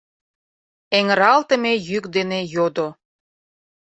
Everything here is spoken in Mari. — эҥыралтыме йӱк дене йодо.